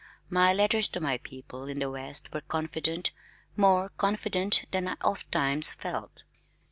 My letters to my people in the west were confident, more confident than I ofttimes felt.